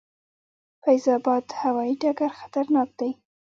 د فیض اباد هوايي ډګر خطرناک دی؟